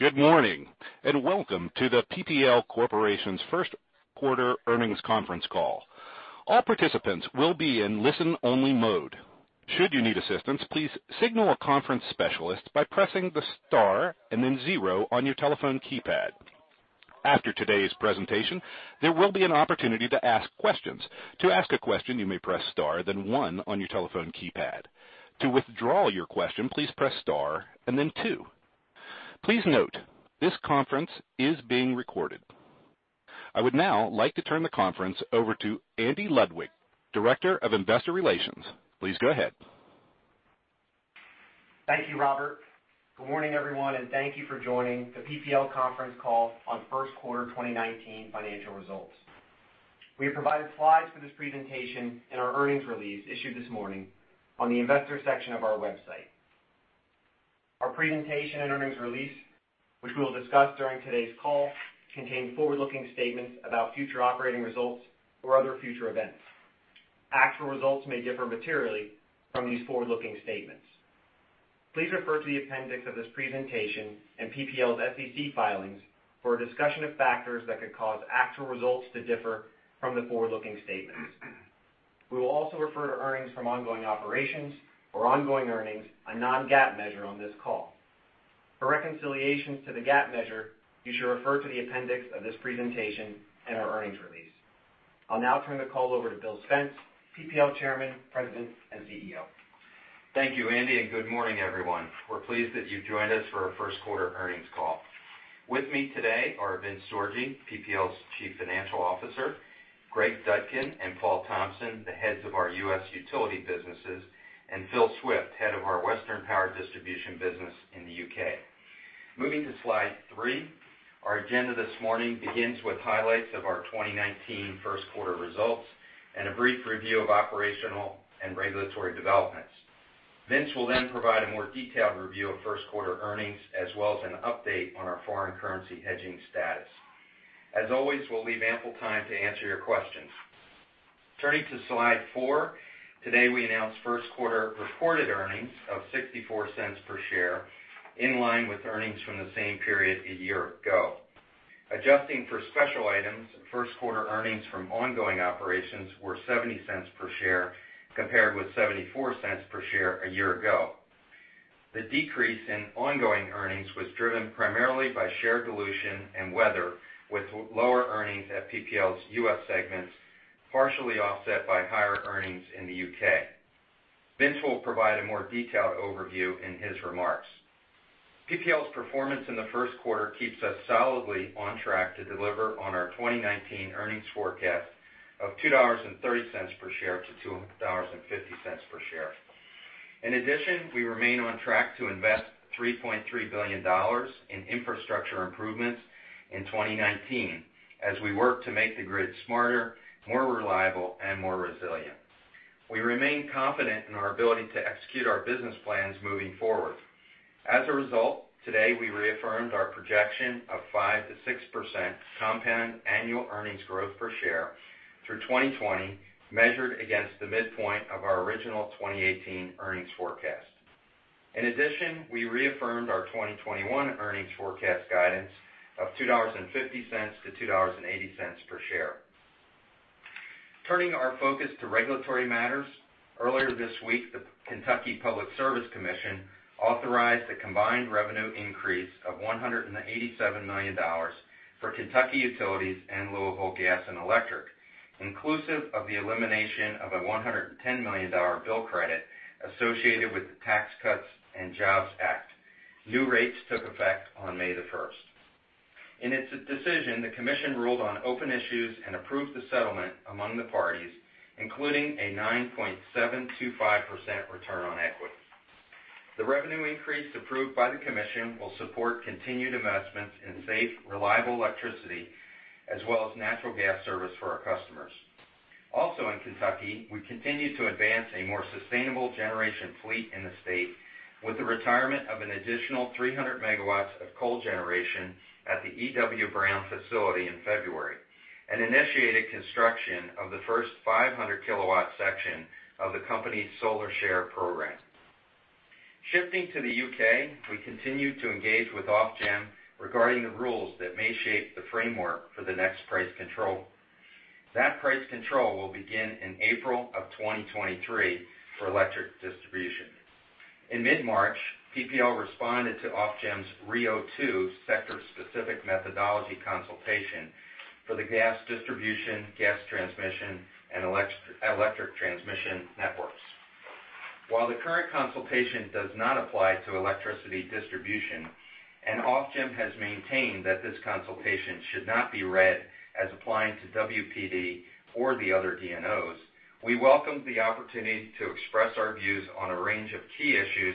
Good morning, and welcome to the PPL Corporation's first quarter earnings conference call. All participants will be in listen-only mode. Should you need assistance, please signal a conference specialist by pressing the star and then zero on your telephone keypad. After today's presentation, there will be an opportunity to ask questions. To ask a question, you may press star, then one on your telephone keypad. To withdraw your question, please press star, and then two. Please note, this conference is being recorded. I will now like to turn the conference over to Andy Ludwig, Director of Investor Relations. Please go ahead. Thank you, Robert. Good morning, everyone, and thank you for joining the PPL conference call on first quarter 2019 financial results. We have provided slides for this presentation in our earnings release issued this morning on the investor section of our website. Our presentation and earnings release, which we will discuss during today's call, contain forward-looking statements about future operating results or other future events. Actual results may differ materially from these forward-looking statements. Please refer to the appendix of this presentation and PPL's SEC filings for a discussion of factors that could cause actual results to differ from the forward-looking statements. We will also refer to earnings from ongoing operations or ongoing earnings, a non-GAAP measure on this call. For reconciliations to the GAAP measure, you should refer to the appendix of this presentation and our earnings release. I will now turn the call over to Bill Spence, PPL Chairman, President, and CEO. Thank you, Andy, and good morning, everyone. We are pleased that you have joined us for our first-quarter earnings call. With me today are Vince Sorgi, PPL's Chief Financial Officer; Greg Dudkin and Paul Thompson, the heads of our U.S. utility businesses; and Phil Swift, head of our Western Power Distribution business in the U.K. Moving to slide three, our agenda this morning begins with highlights of our 2019 first-quarter results and a brief review of operational and regulatory developments. Vince will then provide a more detailed review of first-quarter earnings, as well as an update on our foreign currency hedging status. As always, we will leave ample time to answer your questions. Turning to slide four. Today, we announced first-quarter reported earnings of $0.64 per share, in line with earnings from the same period a year ago. Adjusting for special items, first-quarter earnings from ongoing operations were $0.70 per share, compared with $0.74 per share a year ago. The decrease in ongoing earnings was driven primarily by share dilution and weather with lower earnings at PPL's U.S. segments, partially offset by higher earnings in the U.K. Vince will provide a more detailed overview in his remarks. PPL's performance in the first quarter keeps us solidly on track to deliver on our 2019 earnings forecast of $2.30 per share to $2.50 per share. In addition, we remain on track to invest $3.3 billion in infrastructure improvements in 2019 as we work to make the grid smarter, more reliable, and more resilient. We remain confident in our ability to execute our business plans moving forward. As a result, today, we reaffirmed our projection of 5%-6% compound annual earnings growth per share through 2020, measured against the midpoint of our original 2018 earnings forecast. In addition, we reaffirmed our 2021 earnings forecast guidance of $2.50-$2.80 per share. Turning our focus to regulatory matters. Earlier this week, the Kentucky Public Service Commission authorized a combined revenue increase of $187 million for Kentucky Utilities and Louisville Gas and Electric, inclusive of the elimination of a $110 million bill credit associated with the Tax Cuts and Jobs Act. New rates took effect on May the 1st. In its decision, the commission ruled on open issues and approved the settlement among the parties, including a 9.725% return on equity. The revenue increase approved by the commission will support continued investments in safe, reliable electricity, as well as natural gas service for our customers. Also in Kentucky, we continue to advance a more sustainable generation fleet in the state with the retirement of an additional 300 megawatts of coal generation at the E.W. Brown facility in February, and initiated construction of the first 500-kilowatt section of the company's Solar Share program. Shifting to the U.K., we continue to engage with Ofgem regarding the rules that may shape the framework for the next price control. That price control will begin in April of 2023 for electric distribution. In mid-March, PPL responded to Ofgem's RIIO-2 Sector Specific Methodology consultation for the gas distribution, gas transmission, and electric transmission networks. While the current consultation does not apply to electricity distribution and Ofgem has maintained that this consultation should not be read as applying to WPD or the other DNOs, we welcomed the opportunity to express our views on a range of key issues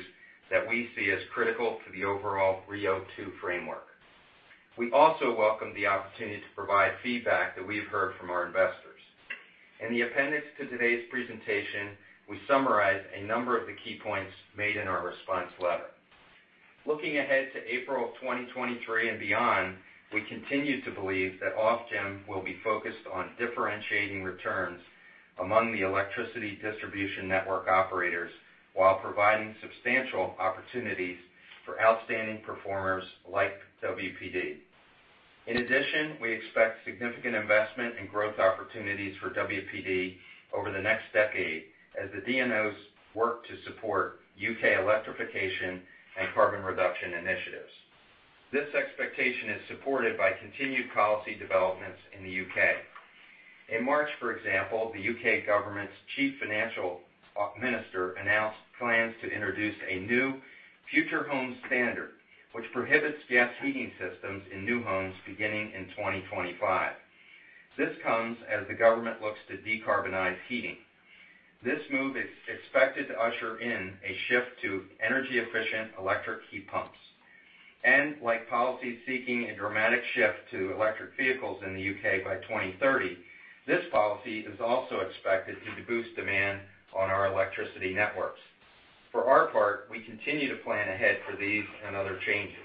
that we see as critical to the overall RIIO-2 framework. We also welcomed the opportunity to provide feedback that we've heard from our investors. In the appendix to today's presentation, we summarize a number of the key points made in our response letter. Looking ahead to April of 2023 and beyond. We continue to believe that Ofgem will be focused on differentiating returns among the electricity distribution network operators while providing substantial opportunities for outstanding performers like WPD. In addition, we expect significant investment and growth opportunities for WPD over the next decade as the DNOs work to support U.K. electrification and carbon reduction initiatives. This expectation is supported by continued policy developments in the U.K. In March, for example, the U.K. government's chief financial minister announced plans to introduce a new future home standard, which prohibits gas heating systems in new homes beginning in 2025. This comes as the government looks to decarbonize heating. This move is expected to usher in a shift to energy-efficient electric heat pumps. Like policies seeking a dramatic shift to electric vehicles in the U.K. by 2030, this policy is also expected to boost demand on our electricity networks. For our part, we continue to plan ahead for these and other changes.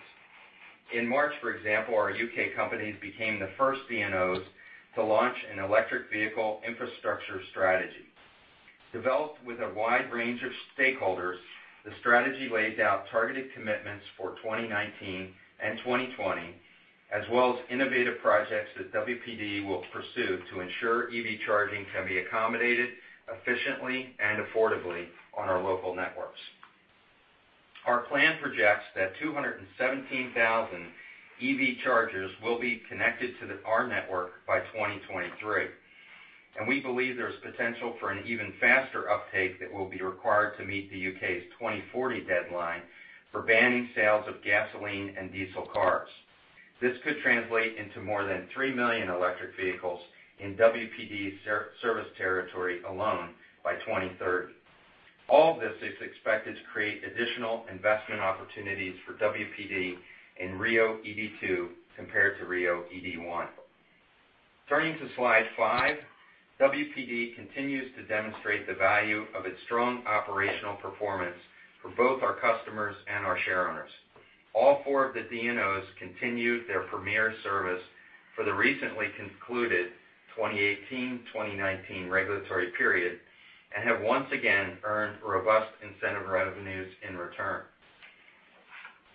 In March, for example, our U.K. companies became the first DNOs to launch an electric vehicle infrastructure strategy. Developed with a wide range of stakeholders, the strategy lays out targeted commitments for 2019 and 2020, as well as innovative projects that WPD will pursue to ensure EV charging can be accommodated efficiently and affordably on our local networks. Our plan projects that 217,000 EV chargers will be connected to our network by 2023, and we believe there's potential for an even faster uptake that will be required to meet the U.K.'s 2040 deadline for banning sales of gasoline and diesel cars. This could translate into more than 3 million electric vehicles in WPD's service territory alone by 2030. All this is expected to create additional investment opportunities for WPD in RIIO-ED2 compared to RIIO-ED1. Turning to slide five, WPD continues to demonstrate the value of its strong operational performance for both our customers and our shareowners. All four of the DNOs continued their premier service for the recently concluded 2018-2019 regulatory period and have once again earned robust incentive revenues in return.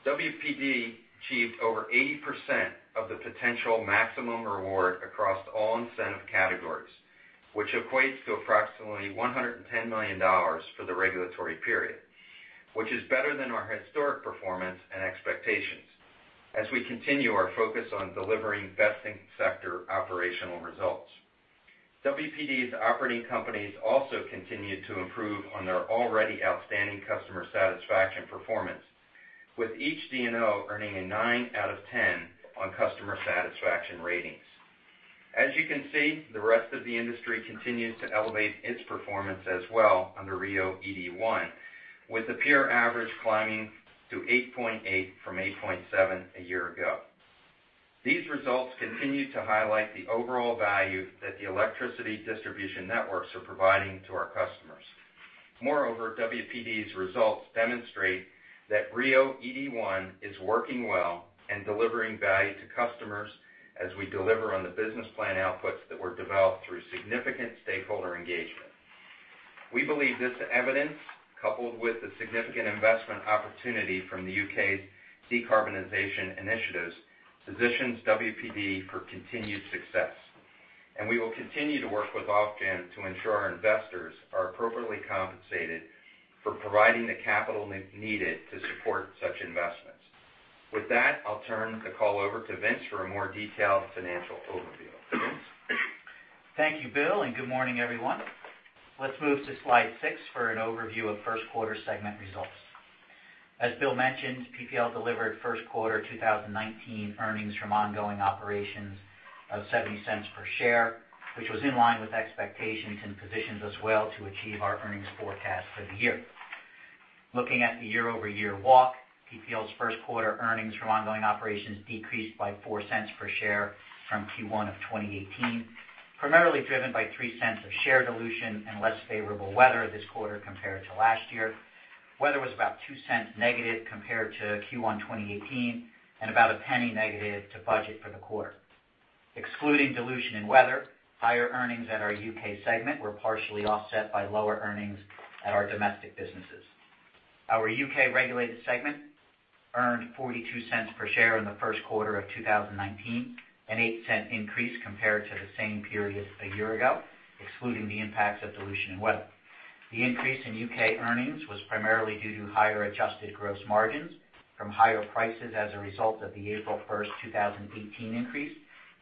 WPD achieved over 80% of the potential maximum reward across all incentive categories, which equates to approximately $110 million for the regulatory period. Which is better than our historic performance and expectations as we continue our focus on delivering best-in-sector operational results. WPD's operating companies also continued to improve on their already outstanding customer satisfaction performance, with each DNO earning a nine out of 10 on customer satisfaction ratings. As you can see, the rest of the industry continues to elevate its performance as well under RIIO-ED1, with the peer average climbing to 8.8 from 8.7 a year ago. These results continue to highlight the overall value that the electricity distribution networks are providing to our customers. Moreover, WPD's results demonstrate that RIIO-ED1 is working well and delivering value to customers as we deliver on the business plan outputs that were developed through significant stakeholder engagement. We believe this evidence, coupled with the significant investment opportunity from the U.K.'s decarbonization initiatives, positions WPD for continued success. We will continue to work with Ofgem to ensure our investors are appropriately compensated for providing the capital needed to support such investments. With that, I'll turn the call over to Vince for a more detailed financial overview. Vince? Thank you, Bill, and good morning, everyone. Let's move to slide 6 for an overview of first quarter segment results. As Bill mentioned, PPL delivered first quarter 2019 earnings from ongoing operations of $0.70 per share, which was in line with expectations and positions us well to achieve our earnings forecast for the year. Looking at the year-over-year walk, PPL's first quarter earnings from ongoing operations decreased by $0.04 per share from Q1 2018, primarily driven by $0.03 of share dilution and less favorable weather this quarter compared to last year. Weather was about $0.02 negative compared to Q1 2018, and about $0.01 negative to budget for the quarter. Excluding dilution and weather, higher earnings at our U.K. segment were partially offset by lower earnings at our domestic businesses. Our U.K. regulated segment earned $0.42 per share in the first quarter of 2019, an $0.08 increase compared to the same period a year ago, excluding the impacts of dilution and weather. The increase in U.K. earnings was primarily due to higher adjusted gross margins from higher prices as a result of the April 1, 2018 increase,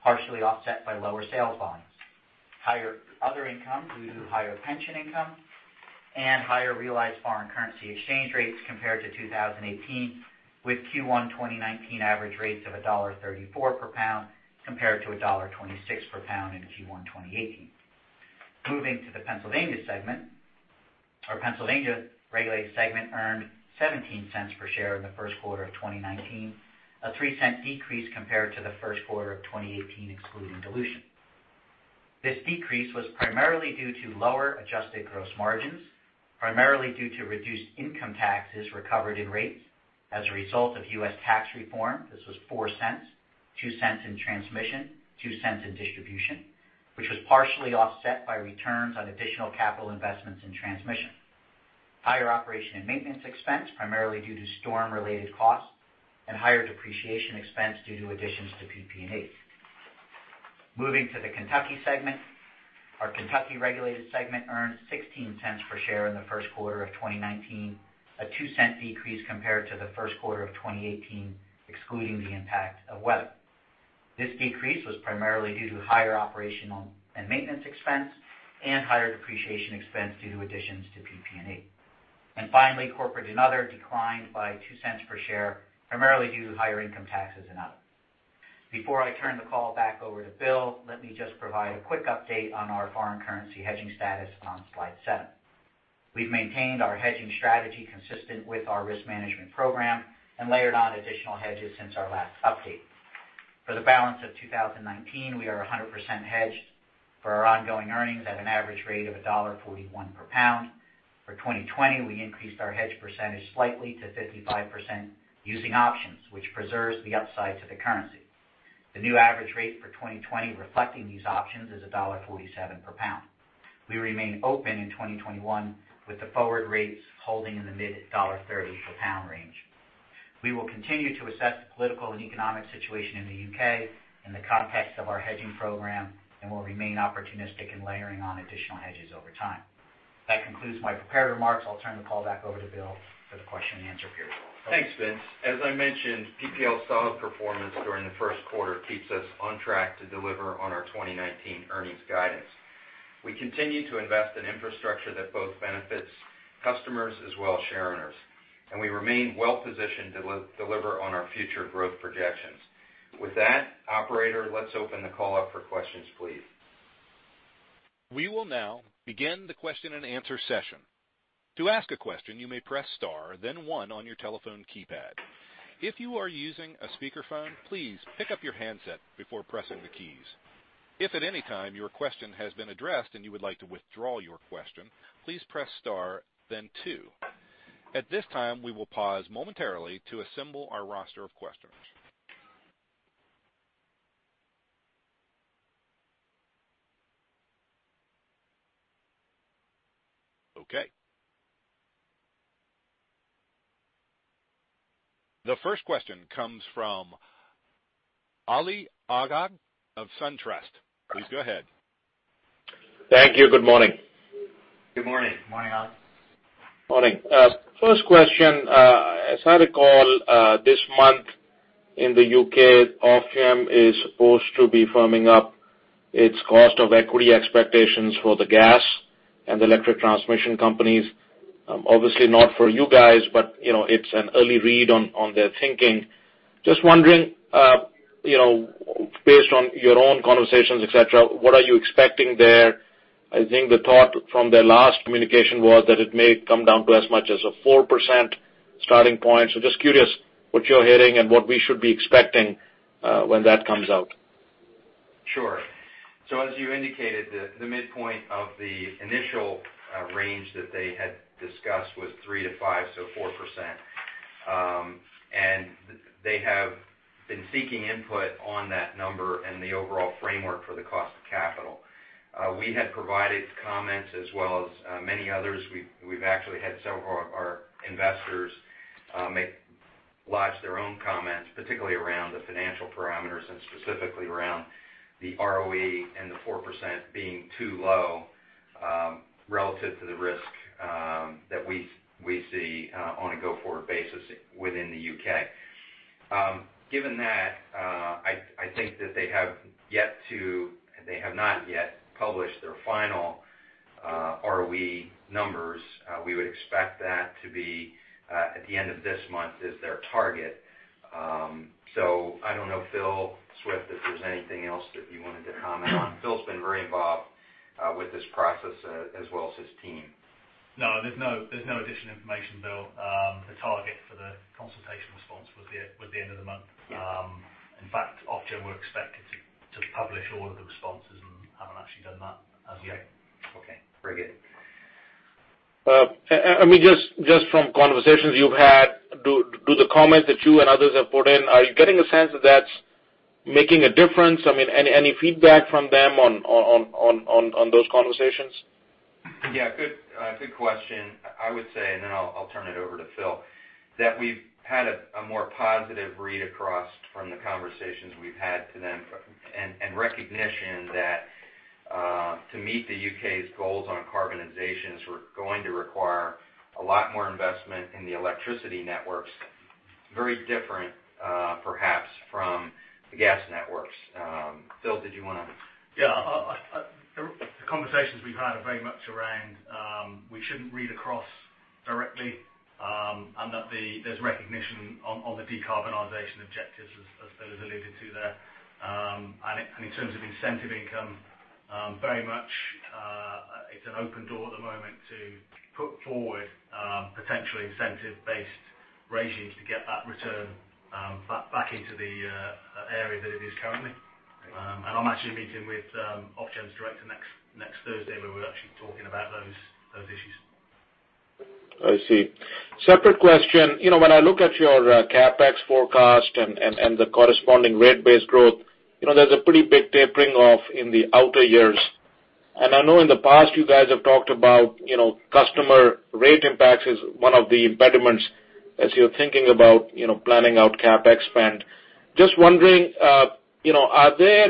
partially offset by lower sales volumes, higher other income due to higher pension income, and higher realized foreign currency exchange rates compared to 2018, with Q1 2019 average rates of $1.34 per pound compared to $1.26 per pound in Q1 2018. Moving to the Pennsylvania segment, our Pennsylvania regulated segment earned $0.17 per share in the first quarter of 2019, a $0.03 decrease compared to the first quarter of 2018, excluding dilution. This decrease was primarily due to lower adjusted gross margins, primarily due to reduced income taxes recovered in rates as a result of U.S. tax reform. This was $0.04, $0.02 in transmission, $0.02 in distribution, which was partially offset by returns on additional capital investments in transmission. Higher operation and maintenance expense, primarily due to storm-related costs, and higher depreciation expense due to additions to PP&E. Moving to the Kentucky segment. Our Kentucky regulated segment earned $0.16 per share in the first quarter of 2019, a $0.02 decrease compared to the first quarter of 2018, excluding the impact of weather. This decrease was primarily due to higher operational and maintenance expense and higher depreciation expense due to additions to PP&E. Finally, corporate and other declined by $0.02 per share, primarily due to higher income taxes and other. Before I turn the call back over to Bill, let me just provide a quick update on our foreign currency hedging status on slide 7. We've maintained our hedging strategy consistent with our risk management program and layered on additional hedges since our last update. For the balance of 2019, we are 100% hedged for our ongoing earnings at an average rate of $1.41 per pound. For 2020, we increased our hedge percentage slightly to 55% using options, which preserves the upside to the currency. The new average rate for 2020 reflecting these options is $1.47 per pound. We remain open in 2021, with the forward rates holding in the mid $1.30 per pound range. We will continue to assess the political and economic situation in the U.K. in the context of our hedging program and will remain opportunistic in layering on additional hedges over time. That concludes my prepared remarks. I'll turn the call back over to Bill for the question and answer period. Thanks, Vince. As I mentioned, PPL's solid performance during the first quarter keeps us on track to deliver on our 2019 earnings guidance. We continue to invest in infrastructure that both benefits customers as well as shareowners, and we remain well-positioned to deliver on our future growth projections. With that, operator, let's open the call up for questions, please. We will now begin the question and answer session. To ask a question, you may press star then one on your telephone keypad. If you are using a speakerphone, please pick up your handset before pressing the keys. If at any time your question has been addressed and you would like to withdraw your question, please press star then two. At this time, we will pause momentarily to assemble our roster of questions. Okay. The first question comes from Ali Agha of SunTrust. Please go ahead. Thank you. Good morning. Good morning. Morning, Ali. Morning. First question. As I recall, this month in the U.K., Ofgem is supposed to be firming up its cost of equity expectations for the gas and electric transmission companies. Obviously, not for you guys, but it's an early read on their thinking. Just wondering, based on your own conversations, et cetera, what are you expecting there? I think the thought from their last communication was that it may come down to as much as a 4% starting point. Just curious what you're hearing and what we should be expecting when that comes out. Sure. As you indicated, the midpoint of the initial range that they had discussed was 3%-5%, so 4%, and they have been seeking input on that number and the overall framework for the cost of capital. We had provided comments as well as many others. We've actually had several of our investors lodge their own comments, particularly around the financial parameters and specifically around the ROE and the 4% being too low relative to the risk that we see on a go-forward basis within the U.K. Given that, I think that they have not yet published their final ROE numbers. We would expect that to be at the end of this month is their target. I don't know, Philip Swift, if there's anything else that you wanted to comment on. Phil's been very involved with this process as well as his team. No, there's no additional information, Bill. The target for the consultation response was the end of the month. Yeah. In fact, Ofgem were expected to publish all of the responses and haven't actually done that as yet. Okay, very good. Just from conversations you've had, do the comments that you and others have put in, are you getting a sense that that's making a difference? Any feedback from them on those conversations? Yeah. Good question. I would say, and then I'll turn it over to Phil, that we've had a more positive read across from the conversations we've had to them, and recognition that to meet the U.K.'s goals on carbonizations, we're going to require a lot more investment in the electricity networks. Very different, perhaps, from the gas networks. Phil, did you want to? The conversations we've had are very much around we shouldn't read across directly, that there's recognition on the decarbonization objectives as Bill has alluded to there. In terms of incentive income, very much it's an open door at the moment to put forward potentially incentive-based regimes to get that return back into the area that it is currently. I'm actually meeting with Ofgem's director next Thursday, where we're actually talking about those issues. I see. Separate question. When I look at your CapEx forecast and the corresponding rate base growth, there's a pretty big tapering off in the outer years. I know in the past you guys have talked about customer rate impacts as one of the impediments as you're thinking about planning out CapEx spend. Just wondering, are there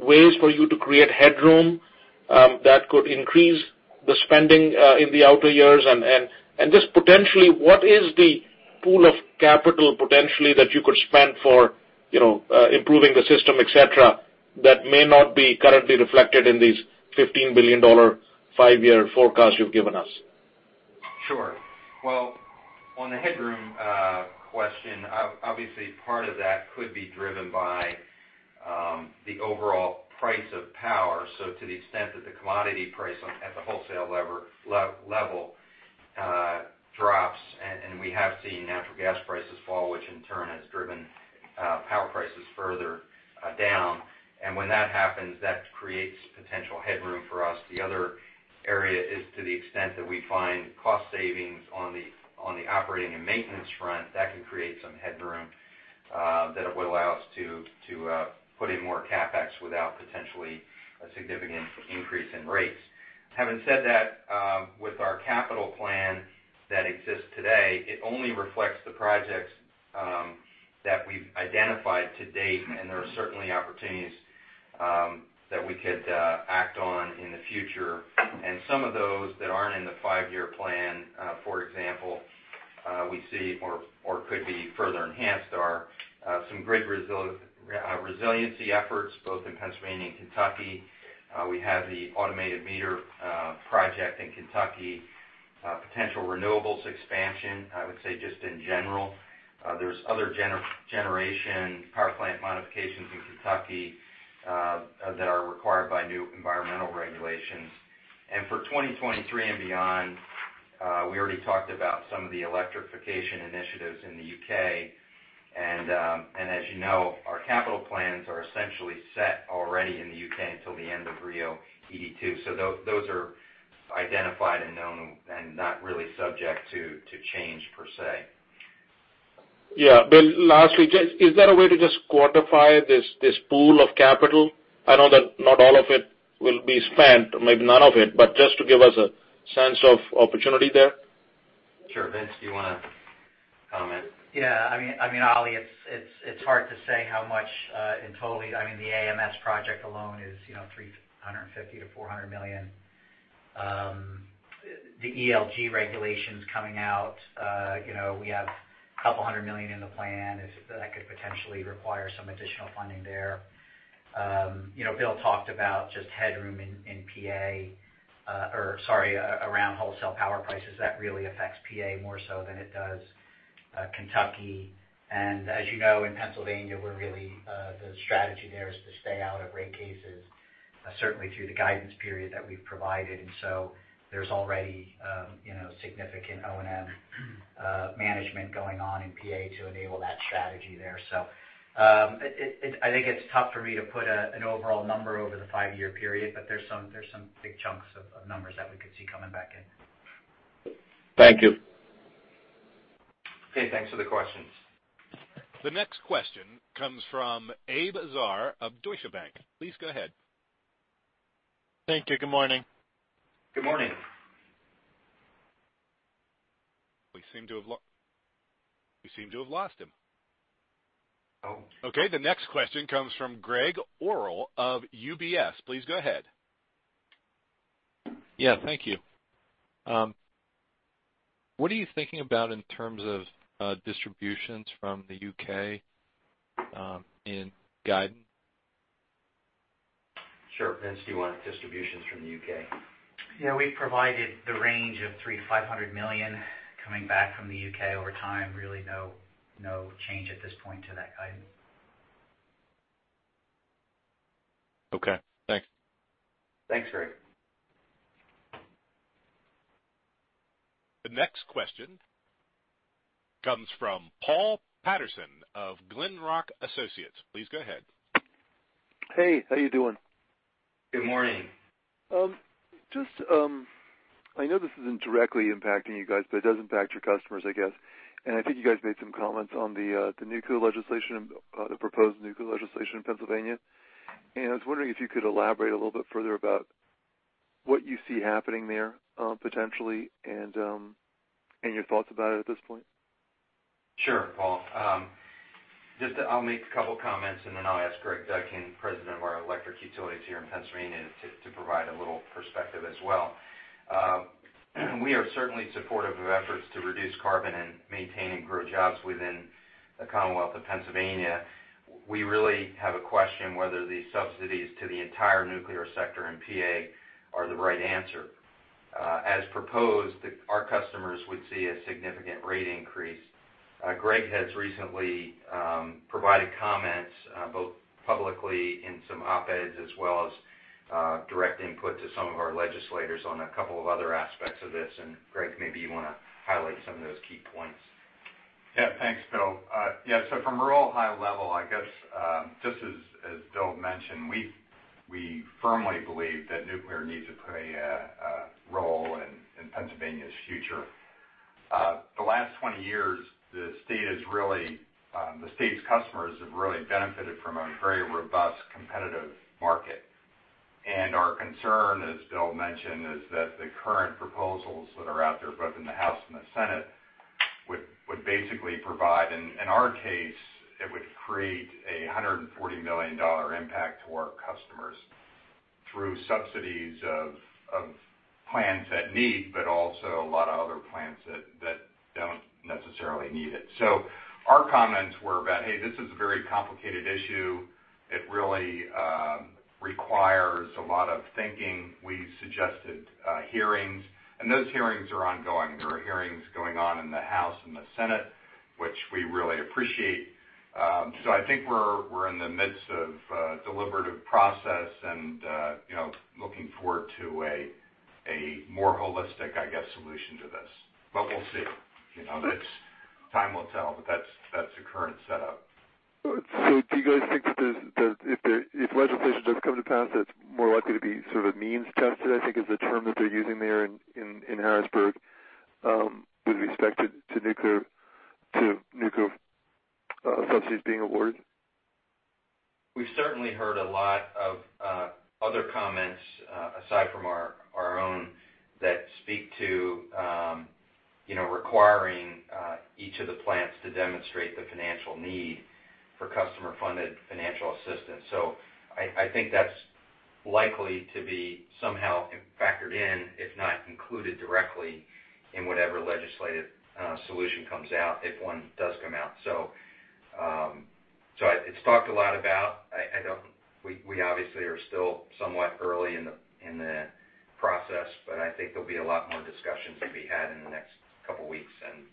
ways for you to create headroom that could increase the spending in the outer years? Just potentially, what is the pool of capital potentially that you could spend for improving the system, et cetera, that may not be currently reflected in these $15 billion five-year forecast you've given us? Sure. Well, on the headroom question, obviously part of that could be driven by the overall price of power. To the extent that the commodity price at the wholesale level drops, and we have seen natural gas prices fall, which in turn has driven power prices further down. When that happens, that creates potential headroom for us. The other area is to the extent that we find cost savings on the operating and maintenance front, that can create some headroom that would allow us to put in more CapEx without potentially a significant increase in rates. Having said that, with our capital plan that exists today, it only reflects the projects that we've identified to date, and there are certainly opportunities that we could act on in the future. Some of those that aren't in the five-year plan, for example, we see or could be further enhanced, are some great resiliency efforts both in Pennsylvania and Kentucky. We have the automated meter project in Kentucky. Potential renewables expansion, I would say, just in general. There's other generation power plant modifications in Kentucky that are required by new environmental regulations. For 2023 and beyond, we already talked about some of the electrification initiatives in the U.K. As you know, our capital plans are essentially set already in the U.K. until the end of RIIO-ED2. Those are identified and known and not really subject to change per se. Yeah. Bill, lastly, is there a way to just quantify this pool of capital? I know that not all of it will be spent, or maybe none of it, but just to give us a sense of opportunity there. Sure. Vince, do you want to comment? Yeah. Ali, it's hard to say how much in total. The AMS project alone is $350 million-$400 million. The ELG regulations coming out, we have a couple of hundred million USD in the plan. That could potentially require some additional funding there. Bill talked about just headroom in P.A. or, sorry, around wholesale power prices. That really affects P.A. more so than it does Kentucky. As you know, in Pennsylvania, the strategy there is to stay out of rate cases, certainly through the guidance period that we've provided. There's already significant O&M management going on in P.A. to enable that strategy there. I think it's tough for me to put an overall number over the five-year period, but there's some big chunks of numbers that we could see coming back in. Thank you. Okay. Thanks for the questions. The next question comes from Abe Azar of Deutsche Bank. Please go ahead. Thank you. Good morning. Good morning. We seem to have lost him. Oh. Okay, the next question comes from Gregg Orrill of UBS. Please go ahead. Yeah, thank you. What are you thinking about in terms of distributions from the U.K. in guidance? Sure. Vince, do you want distributions from the U.K.? Yeah. We've provided the range of $3 million-$500 million coming back from the U.K. over time. Really no change at this point to that guidance. Okay, thanks. Thanks, Greg. The next question comes from Paul Patterson of Glenrock Associates. Please go ahead. Hey, how you doing? Good morning. I know this isn't directly impacting you guys, but it does impact your customers, I guess. I think you guys made some comments on the proposed nuclear legislation in Pennsylvania. I was wondering if you could elaborate a little bit further about what you see happening there potentially and your thoughts about it at this point. Sure, Paul. Then I'll ask Greg Dudkin, President of our electric utilities here in Pennsylvania, to provide a little perspective as well. We are certainly supportive of efforts to reduce carbon and maintain and grow jobs within the Commonwealth of Pennsylvania. We really have a question whether the subsidies to the entire nuclear sector in PA are the right answer. As proposed, our customers would see a significant rate increase. Greg has recently provided comments both publicly in some op-eds as well as direct input to some of our legislators on a couple of other aspects of this. Greg, maybe you want to highlight some of those key points. Thanks, Bill. From real high level, I guess, just as Bill mentioned, we firmly believe that nuclear needs to play a role in Pennsylvania's future. The last 20 years, the state's customers have really benefited from a very robust competitive market. Our concern, as Bill mentioned, is that the current proposals that are out there both in the House and the Senate would basically provide, in our case, it would create a $140 million impact to our customers through subsidies of plants that need, but also a lot of other plants that don't necessarily need it. Our comments were about, hey, this is a very complicated issue. It really requires a lot of thinking. We suggested hearings, and those hearings are ongoing. There are hearings going on in the House and the Senate, which we really appreciate. I think we're in the midst of a deliberative process and looking forward to a more holistic solution to this. We'll see. Time will tell, but that's the current setup. Do you guys think that if legislation does come to pass, that it's more likely to be sort of means tested, I think, is the term that they're using there in Harrisburg with respect to nuclear subsidies being awarded? We've certainly heard a lot of other comments aside from our own that speak to requiring each of the plants to demonstrate the financial need for customer-funded financial assistance. I think that's likely to be somehow factored in, if not included directly in whatever legislative solution comes out, if one does come out. It's talked a lot about. We obviously are still somewhat early in the process, but I think there'll be a lot more discussions to be had in the next couple of weeks and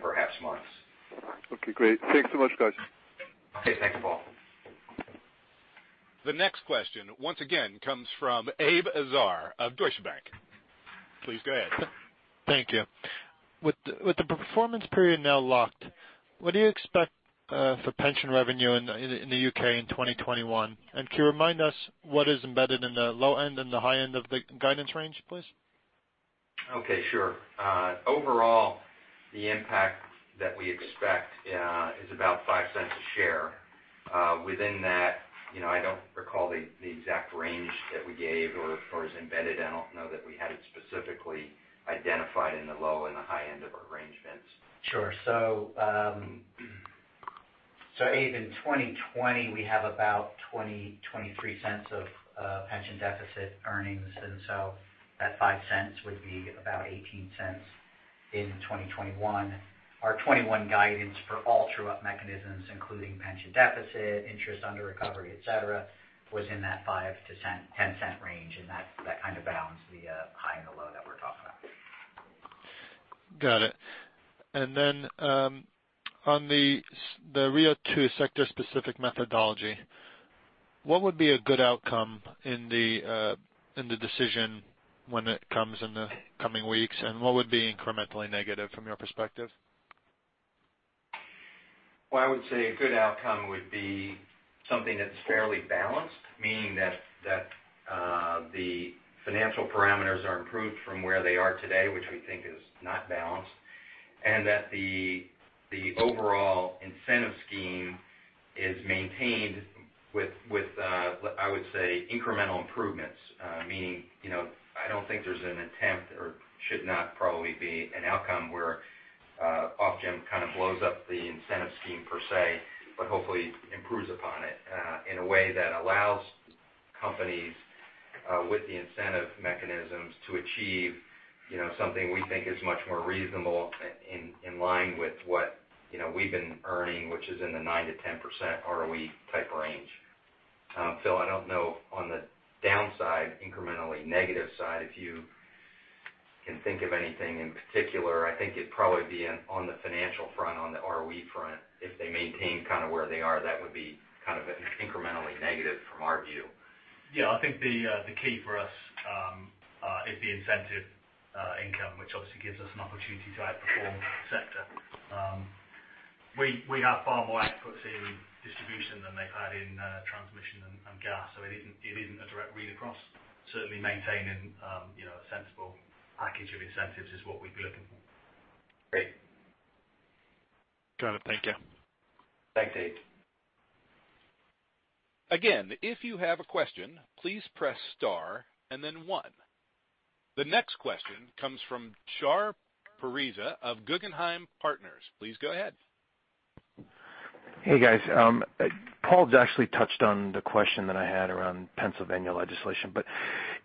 perhaps months. Okay, great. Thanks so much, guys. Okay. Thanks, Paul. The next question once again comes from Abe Azar of Deutsche Bank. Please go ahead. Thank you. With the performance period now locked, what do you expect for pension revenue in the U.K. in 2021? Can you remind us what is embedded in the low end and the high end of the guidance range, please? Okay, sure. Overall, the impact that we expect is about $0.05 a share. Within that, I don't recall the exact range that we gave or is embedded. I don't know that we had it specifically identified in the low and the high end of our range, Vince. Sure. Abe, in 2020, we have about $0.23 of pension deficit earnings, that $0.05 would be about $0.18 in 2021. Our 2021 guidance for all true-up mechanisms, including pension deficit, interest under recovery, et cetera, was in that $0.05-$0.10 range. That kind of balanced the high and the low that we're talking about. Got it. On the RIIO-2 Sector Specific Methodology, what would be a good outcome in the decision when it comes in the coming weeks, what would be incrementally negative from your perspective? Well, I would say a good outcome would be something that's fairly balanced, meaning that the financial parameters are improved from where they are today, which we think is not balanced, and that the overall incentive scheme is maintained with I would say incremental improvements. Meaning, I don't think there's an attempt or should not probably be an outcome where Ofgem kind of blows up the incentive scheme per se, but hopefully improves upon it in a way that allows companies with the incentive mechanisms to achieve something we think is much more reasonable in line with what we've been earning, which is in the 9%-10% ROE type range. Phil, I don't know, on the downside, incrementally negative side, if you can think of anything in particular. I think it'd probably be on the financial front, on the ROE front. If they maintain kind of where they are, that would be kind of incrementally negative from our view. Yeah, I think the key for us is the incentive income, which obviously gives us an opportunity to outperform the sector. We have far more outputs in distribution than they've had in transmission and gas. It isn't a direct read across. Certainly maintaining a sensible package of incentives is what we'd be looking for. Great. Got it. Thank you. Thanks, Abe. Again, if you have a question, please press star and then one. The next question comes from Shar Pourreza of Guggenheim Partners. Please go ahead. Hey, guys. Paul's actually touched on the question that I had around Pennsylvania legislation.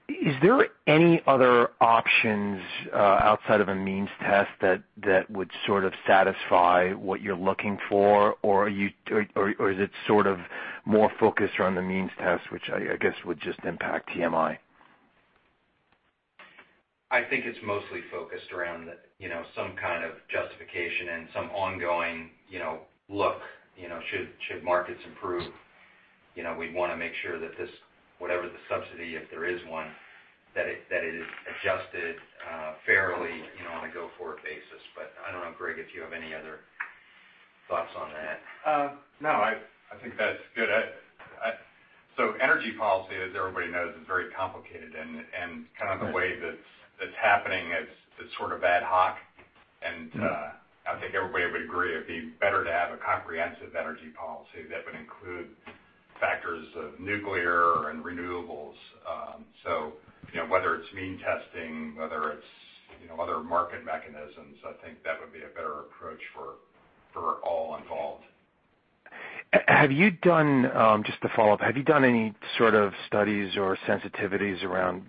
Is there any other options outside of a means test that would sort of satisfy what you're looking for? Or is it sort of more focused around the means test, which I guess would just impact TMI? I think it's mostly focused around some kind of justification and some ongoing look. Should markets improve, we'd want to make sure that this, whatever the subsidy, if there is one, that it is adjusted fairly on a go-forward basis. I don't know, Greg, if you have any other thoughts on that. No, I think that's good. Energy policy, as everybody knows, is very complicated and kind of the way that's happening is sort of ad hoc. I think everybody would agree it'd be better to have a comprehensive energy policy that would include factors of nuclear and renewables. Whether it's mean testing, whether it's other market mechanisms, I think that would be a better approach for all involved. Just to follow up, have you done any sort of studies or sensitivities around,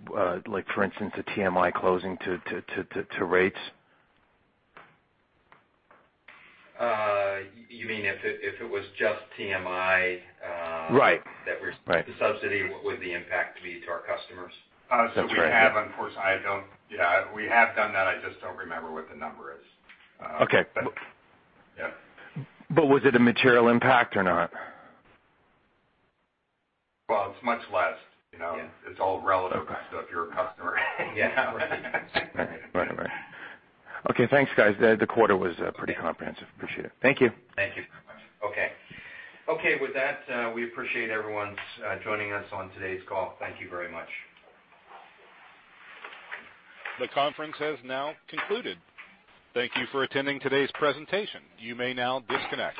like for instance, a TMI closing to rates? You mean if it was just TMI- Right that the subsidy, what would the impact be to our customers? That's right, yeah. We have, of course, Yeah, we have done that, I just don't remember what the number is. Okay. Yeah. Was it a material impact or not? It's much less. Yeah. It's all relative. If you're a customer Yeah, right. Right. Okay, thanks, guys. The quarter was pretty comprehensive. Appreciate it. Thank you. Thank you very much. Okay. Okay. With that, we appreciate everyone joining us on today's call. Thank you very much. The conference has now concluded. Thank you for attending today's presentation. You may now disconnect.